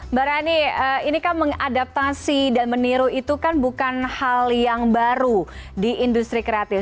mbak rani ini kan mengadaptasi dan meniru itu kan bukan hal yang baru di industri kreatif